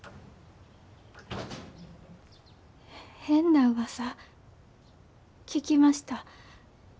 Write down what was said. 変なうわさ聞きました。